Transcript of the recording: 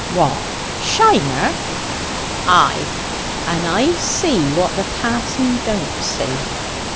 "What! Shiner?" "Ay; and I see what the pa'son don't see.